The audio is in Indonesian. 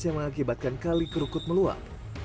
yang mengakibatkan kali kerukut meluap